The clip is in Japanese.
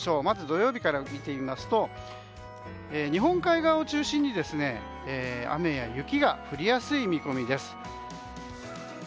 まず、土曜日から見てみますと日本海側を中心に雨や雪が降りやすい見込みです。